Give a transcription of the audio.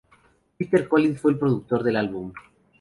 Peter Collins fue el productor del álbum.